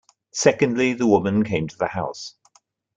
Secondly the woman came to the house.